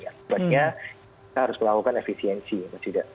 artinya kita harus melakukan efisiensi mas hida